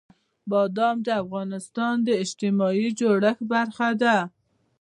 بادام د افغانستان د اجتماعي جوړښت برخه ده.